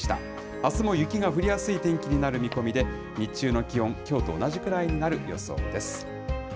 あすも雪が降りやすい天気になる見込みで、日中の気温、きょうと同じくらいになる予想です。